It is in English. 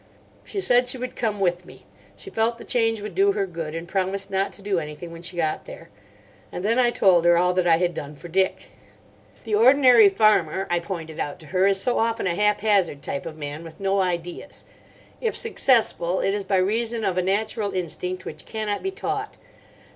She said she would come with me. She felt the change would do her good, and promised not to do anything when she got there. And then I told her all that I had done for Dick. "The ordinary farmer," I pointed out to her, "is so often a haphazard type of man with no ideas. If successful, it is by reason of a natural instinct which cannot be taught. St.